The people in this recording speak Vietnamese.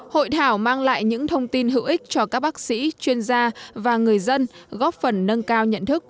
hội thảo mang lại những thông tin hữu ích cho các bác sĩ chuyên gia và người dân góp phần nâng cao nhận thức